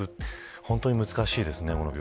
本当に難しいですね、この病気。